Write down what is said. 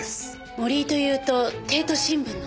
森井というと帝都新聞の？